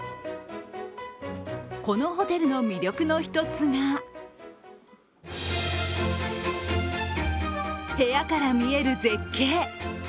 このホテルの魅力の一つが部屋から見える絶景。